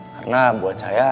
karena buat saya